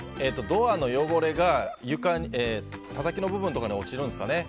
ドアの汚れがたたきの部分とかに落ちるんですかね。